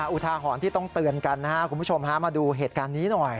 อุทาหรณ์ที่ต้องเตือนกันนะครับคุณผู้ชมฮะมาดูเหตุการณ์นี้หน่อย